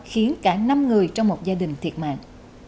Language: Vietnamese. khiến cả năm người trong một gia đình thiệt mạng